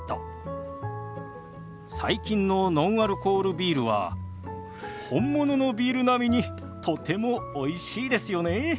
最近のノンアルコールビールは本物のビール並みにとてもおいしいですよね。